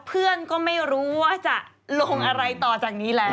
เพื่อนก็ไม่รู้ว่าจะลงอะไรต่อจากนี้แล้ว